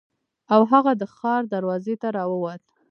او هغه د ښار دروازې ته راووت.